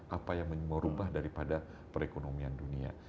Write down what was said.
apa yang merubah daripada perekonomian dunia